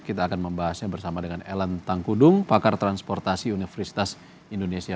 kita akan membahasnya bersama dengan ellen tangkudung pakar transportasi universitas indonesia